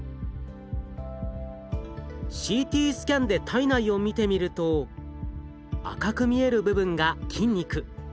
ＣＴスキャンで体内を見てみると赤く見える部分が筋肉。